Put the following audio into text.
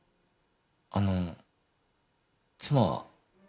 あの妻は？